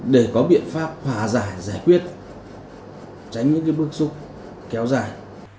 để có biện pháp hòa giải giải quyết tránh những bước xúc kéo dài